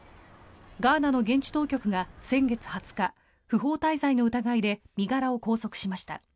ガーナの現地当局が先月２０日不法滞在の疑いで身柄を拘束しました。